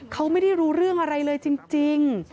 เขาไม่ได้รู้เรื่องอะไรเลยจริง